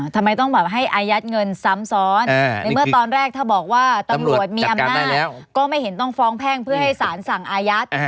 ทำไมต้องแบบให้อายัดเงินซ้ำซ้อนในเมื่อตอนแรกถ้าบอกว่าตำรวจมีอำนาจก็ไม่เห็นต้องฟ้องแพ่งเพื่อให้สารสั่งอายัด